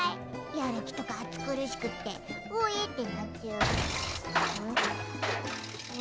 やる気とか暑苦しくってオエッてなっちゃ・・オエ？